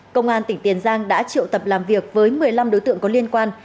công an tỉnh tiền giang đã triệu tập làm việc với một mươi năm đối tượng có liên quan